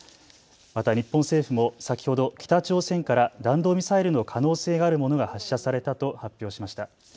また日本政府も先ほど北朝鮮から弾道ミサイルの可能性があるものが発射されたと発表しました。